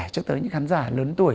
cho tới những khán giả lớn tuổi